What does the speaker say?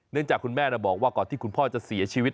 จากคุณแม่บอกว่าก่อนที่คุณพ่อจะเสียชีวิต